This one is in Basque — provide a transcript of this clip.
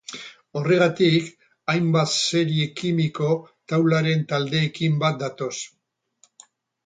Horregatik hainbat serie kimiko taularen taldeekin bat datoz.